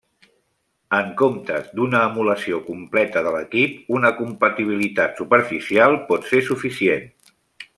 En comptes d'una emulació completa de l'equip, una compatibilitat superficial pot ser suficient.